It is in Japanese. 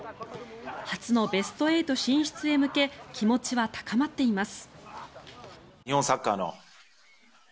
初のベスト８進出へ向け気持ちは高まっています。